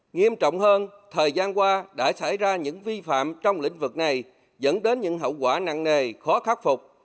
nghiêm trọng hơn thời gian qua đã xảy ra những vi phạm trong lĩnh vực này dẫn đến những hậu quả nặng nề khó khắc phục